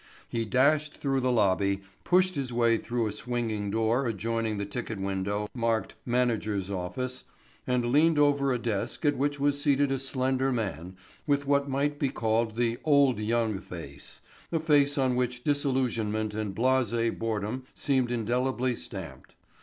He dashed through the lobby, pushed his way through a swinging door adjoining the ticket window marked "Manager's Office" and leaned over a desk at which was seated a slender man with what might be called the old young face, a face on which disillusionment and blase boredom seemed indelibly stamped.